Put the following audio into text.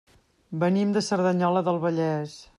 Venim de Cerdanyola del Vallès.